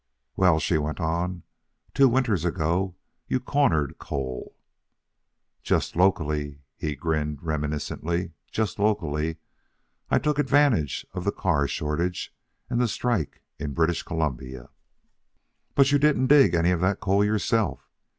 "Well," she went on, "two winters ago you cornered coal " "Just locally," he grinned reminiscently, "just locally. And I took advantage of the car shortage and the strike in British Columbia." "But you didn't dig any of that coal yourself.